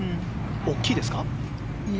大きいですか？